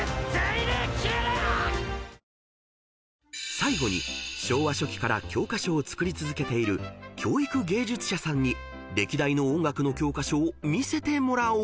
［最後に昭和初期から教科書を作り続けている教育芸術社さんに歴代の音楽の教科書を見せてもらおう］